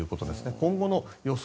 今後の予想